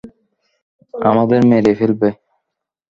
আমাদের মেরেই ফেলবে।